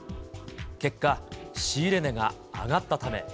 結果、仕入れ値が上がったため。